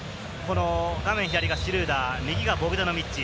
画面左がシュルーダー、右がボグダノビッチ。